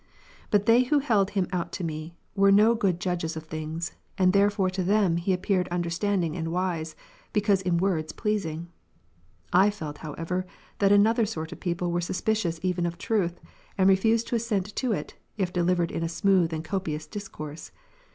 But they who held him out to me, were no good judges of things ; and therefore to them he appeared understanding and wise, because in words pleasing. I felt however that another sort of people were suspicious even of truth, and refused to assent to it, if delivered in a smooth and copious discourse.